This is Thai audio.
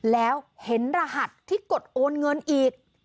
แล้วเห็นรหัสที่กดโอนเงินอีก